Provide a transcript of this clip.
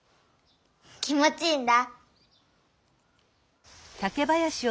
気もちいいんだ。